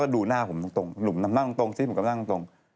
ก็ดูหน้าผมตรงหนุ่มนำหน้าตรงสิ้นผมนำหน้าตรง